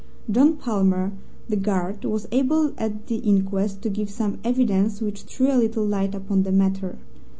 John Palmer, the guard was able at the inquest to give some evidence which threw a little light upon the matter.